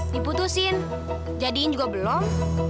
diputusin jadiin juga belum